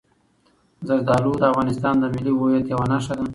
زردالو د افغانستان د ملي هویت یوه نښه ده.